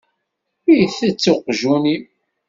Itett uqjun-im?